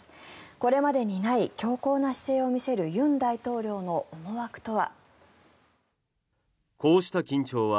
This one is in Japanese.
これまでにない強硬な姿勢を見せる尹大統領の思惑とは。